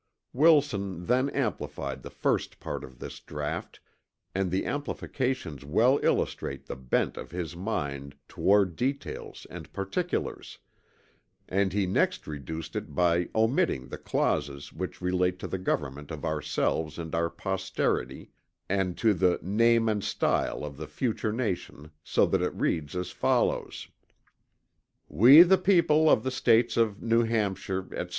Wilson then amplified the first part of this draught, and the amplifications well illustrate the bent of his mind toward details and particulars; and he next reduced it by omitting the clauses which relate to the government of ourselves and our posterity, and to the "Name and Stile" of the future nation so that it reads as follows: "We the People of the States of New Hampshire etc.